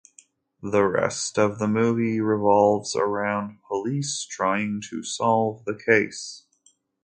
The rest of the movie revolves around police trying to solve the case.